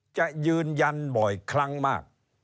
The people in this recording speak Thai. จะยืนยันบ่อยครั้งมาก